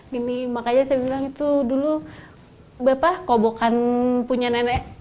jadi makanya saya bilang itu dulu apa kobokan punya nenek